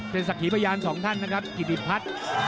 เป็นสักขีพยานสองท่านนะครับกิติพัฒน์